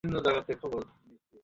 আমিও তোমার সাথে যাব।